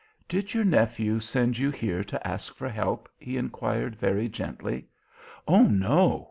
"Did your nephew send you here to ask for help?" he inquired very gently. "Oh, no!"